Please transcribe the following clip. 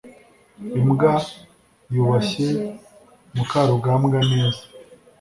imbwa yubashye mukarugambwa neza